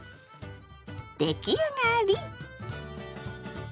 出来上がり！